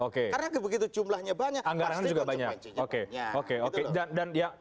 karena begitu jumlahnya banyak pasti kepentingan rakyat